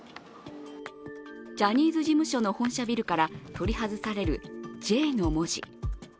ジャニーズ事務所の本社ビルから取り外される「Ｊ」の文字。